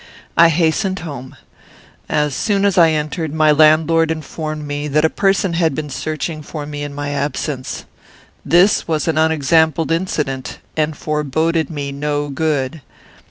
I hastened home. As soon as I entered, my landlord informed me that a person had been searching for me in my absence. This was an unexampled incident, and foreboded me no good.